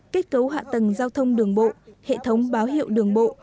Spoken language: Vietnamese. kết cấu hạ tầng giao thông đường bộ hệ thống báo hiệu đường bộ